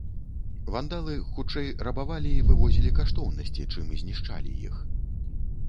Вандалы хутчэй рабавалі і вывозілі каштоўнасці, чым знішчалі іх.